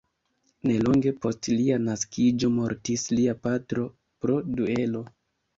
Nelonge post lia naskiĝo mortis lia patro, pro duelo.